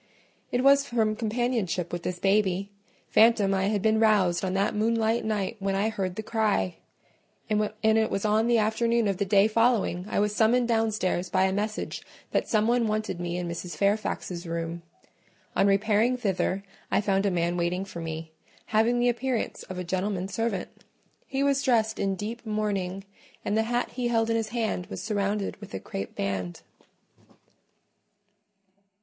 It was from companionship with this baby phantom I had been roused on that moonlight night when I heard the cry; and it was on the afternoon of the day following I was summoned downstairs by a message that some one wanted me in Mrs. Fairfax's room. On repairing thither, I found a man waiting for me, having the appearance of a gentleman's servant: he was dressed in deep mourning, and the hat he held in his hand was surrounded with a crape band.